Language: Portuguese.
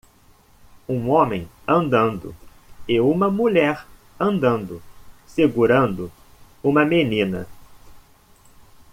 um homem andando e uma mulher andando segurando uma menina